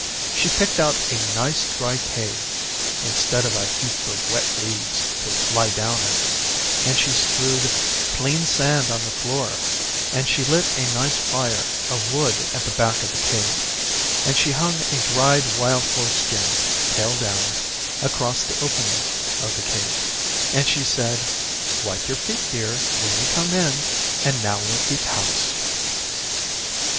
She picked out a nice dry Cave, instead of a heap of wet leaves, to lie down in; and she strewed clean sand on the floor; and she lit a nice fire of wood at the back of the Cave; and she hung a dried wild horse skin, tail down, across the opening of the Cave; and she said, 'Wipe you feet, dear, when you come in, and now we'll keep house.